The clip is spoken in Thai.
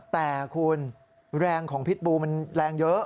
แต่คุณแรงของพิษบูมันแรงเยอะ